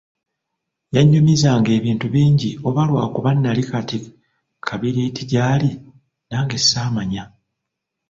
Yannyumizanga ebintu bingi oba lwakuba nnali kati ka kibiriiti gy'ali, nange ssaamanya.